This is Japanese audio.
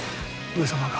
上様が。